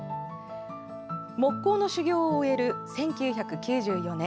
木工の修業を終える１９９４年。